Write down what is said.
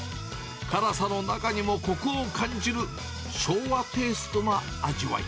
辛さの中にもこくを感じる昭和テイストな味わい。